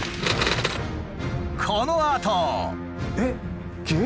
このあと。